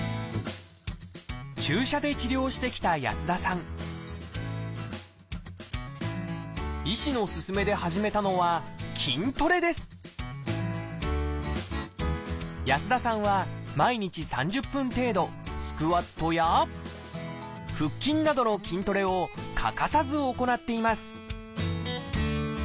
注射で治療してきた安田さん医師の勧めで始めたのは安田さんは毎日３０分程度スクワットや腹筋などの筋トレを欠かさず行っています